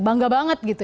bangga banget gitu